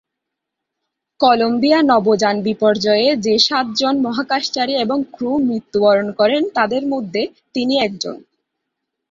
Colombia নভোযান বিপর্যয়ে যে সাতজন মহাকাশচারী এবং ক্রু মৃত্যুবরণ করেন তাদের মধ্যে তিনি একজন।